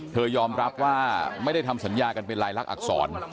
ยอมรับว่าไม่ได้ทำสัญญากันเป็นลายลักษณอักษร